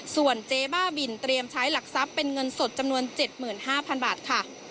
ส่วนเจ๊บ้าบินเตรียมใช้หลักทรัพย์เป็นเงินสดจำนวน๗๕๐๐๐บาทค่ะ